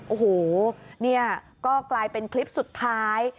โอ้โหนี่ก็กลายเป็นคลิปสุดท้าย